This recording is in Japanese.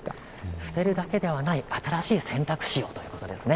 捨てるだけではない新しい選択肢をということですね。